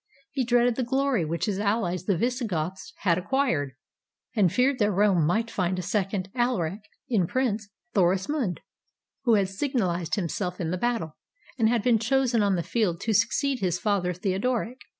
He dreaded the glory which his allies the Visigoths had acquired, and feared that Rome might find a second Alaric in Prince Thorismund, who had signalized himself in the battle, and had been chosen on the field to succeed his father Theodoric.